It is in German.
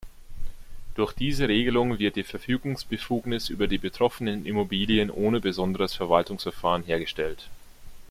Durch diese Regelung wird die Verfügungsbefugnis über die betroffenen Immobilien ohne besonderes Verwaltungsverfahren hergestellt.